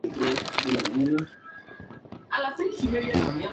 El nombre del club, Al-Masry, significa "El egipcio".